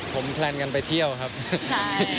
ผมแพลนกันไปเที่ยวครับ